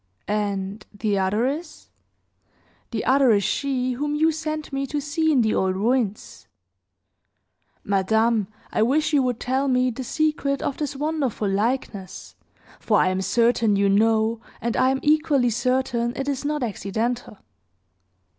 "And the other is?" "The other is she whom you sent me to see in the old ruins. Madame, I wish you would tell me the secret of this wonderful likeness; for I am certain you know, and I am equally certain it is not accidental."